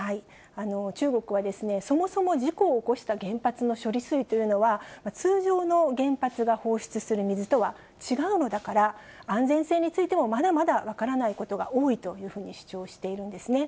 中国はそもそも事故を起こした原発の処理水というのは、通常の原発が放出する水とは違うのだから、安全性についても、まだまだ分からないことが多いというふうに主張しているんですね。